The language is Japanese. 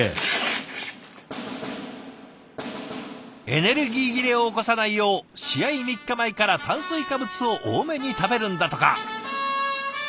エネルギー切れを起こさないよう試合３日前から炭水化物を多めに食べるんだとか。